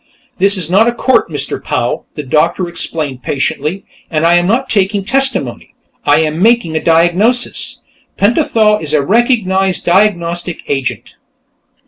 "This is not a court, Mr. Powell," the doctor explained patiently. "And I am not taking testimony; I am making a diagnosis. Pentathol is a recognized diagnostic agent."